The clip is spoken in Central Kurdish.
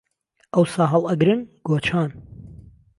ئەوسا هەڵ ئەگرن گۆچان